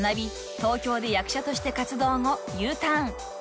東京で役者として活動後Ｕターン］